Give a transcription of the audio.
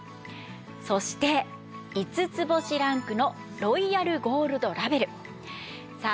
そして５つ星ランクのロイヤルゴールドラベル。さあ。